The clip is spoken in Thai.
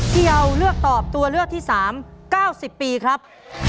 พี่เอาเลือกตอบตัวเลือกที่๓๙๐ปีครับ